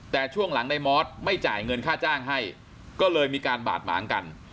แต่ช่วงหลังในมอสไม่จ่ายเงินค่าจ้างให้ก็เลยมีการบาดหมางกัน